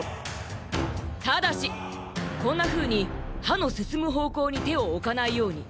ただしこんなふうにはのすすむほうこうにてをおかないように。